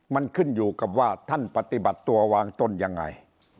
มันขึ้นอยู่กับว่าท่านปฏิบัติตัววางต้นยังไง